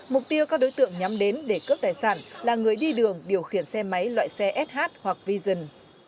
mục tiêu các đối tượng nhắm đến để cướp tài sản là người đi đường điều khiển xe máy loại xe sh hoặc vision